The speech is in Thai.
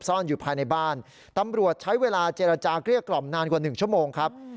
ซ่อนอยู่ภายในบ้านตำรวจใช้เวลาเจรจาเกลี้ยกล่อมนานกว่า๑ชั่วโมงครับ